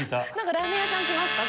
ラーメン屋さん来ますか？